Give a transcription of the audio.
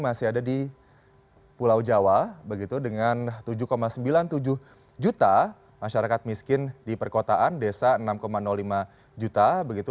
masih ada di pulau jawa begitu dengan tujuh sembilan puluh tujuh juta masyarakat miskin di perkotaan desa enam lima juta begitu